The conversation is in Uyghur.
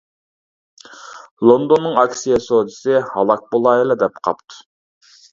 -لوندوننىڭ ئاكسىيە سودىسى ھالاك بولايلا دەپ قاپتۇ.